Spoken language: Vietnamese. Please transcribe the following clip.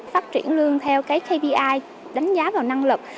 phát triển lương theo cái kbi đánh giá vào năng lực